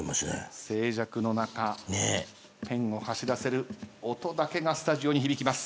静寂の中ペンを走らせる音だけがスタジオに響きます。